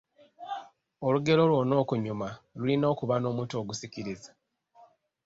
Olugero lwonna okunyuma lulina okuba n'omutwe ogusikiriza.